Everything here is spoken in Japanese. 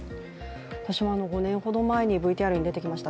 私も５年ほど前にＶＴＲに出てきました